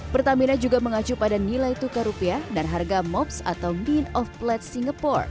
pertamina juga mengacu pada nilai tukar rupiah dan harga mops atau mean of plate singapore